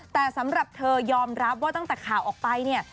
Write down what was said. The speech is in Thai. แต่สำหรับเธอยอมรับว่าตั้งแต่ข่าวออกไปเนี่ย